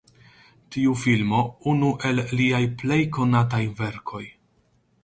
Tiu filmo unu el liaj plej konataj verkoj.